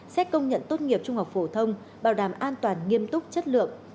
xét công nhận tốt nghiệp trung học phổ thông bảo đảm an toàn nghiêm túc chất lượng